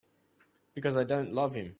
Because I don't love him.